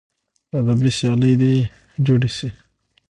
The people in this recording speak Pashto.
ادبي سیالۍ دې جوړې سي.